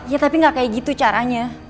ya tapi gak kayak gitu caranya